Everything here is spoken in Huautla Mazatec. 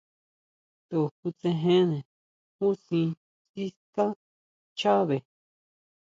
To kutsejene júsʼi siská nchabe.